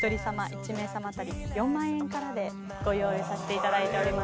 １名さま当たり４万円からでご用意させていただいております。